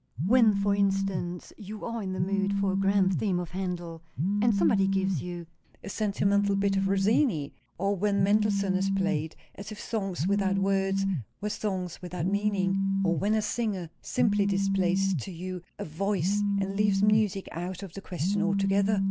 "When, for instance, you are in the mood for a grand theme of Handel, and somebody gives you a sentimental bit of Rossini. Or when Mendelssohn is played as if 'songs without words' were songs without meaning. Or when a singer simply displays to you a VOICE, and leaves music out of the question altogether."